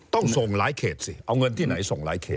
ต้องส่งหลายเขตสิเอาเงินที่ไหนส่งหลายเขต